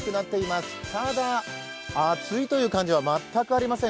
ただ、暑いという感じは全くありません。